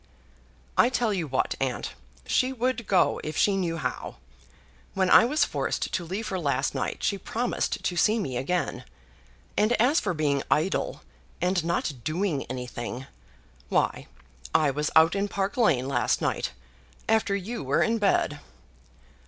"I tell you what, aunt; she would go if she knew how. When I was forced to leave her last night, she promised to see me again. And as for being idle, and not doing anything; why, I was out in Park Lane last night, after you were in bed."